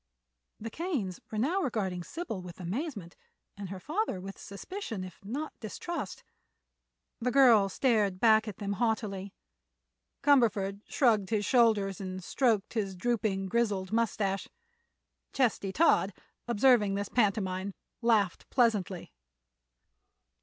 The Kanes were now regarding Sybil with amazement and her father with suspicion if not distrust. The girl stared back at them haughtily; Cumberford shrugged his shoulders and stroked his drooping, grizzled mustache. Chesty Todd, observing this pantomime, laughed pleasantly.